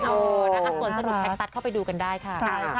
ส่วนสนุกแพ็กตัดเข้าไปดูกันได้ค่ะ